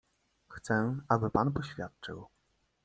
"Chcę, aby pan poświadczył."